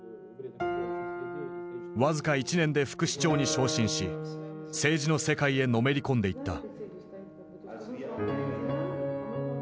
僅か１年で副市長に昇進し政治の世界へのめり込んでいった。